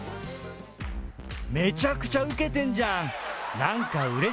めちゃくちゃうけてんじゃん。